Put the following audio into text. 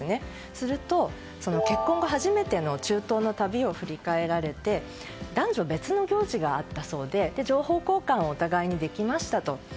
すると、結婚後初めての中東の旅を振り返られて男女別の行事があったそうで情報交換をお互いにできましたと。